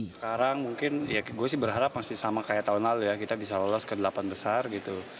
sekarang mungkin ya gue sih berharap masih sama kayak tahun lalu ya kita bisa lolos ke delapan besar gitu